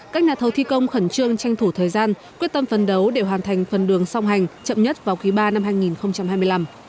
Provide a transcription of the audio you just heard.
các nhà thầu thi công khẩn trương tranh thủ thời gian quyết tâm phấn đấu để hoàn thành phần đường song hành chậm nhất vào quý ba năm hai nghìn hai mươi năm